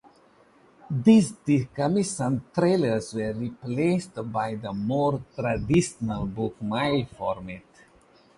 These decommissioned trailers were replaced by the more traditional bookmobile format.